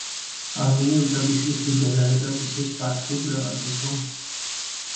We are speaking about a specific school and a specific park.